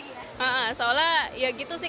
iya seolah ya gitu sih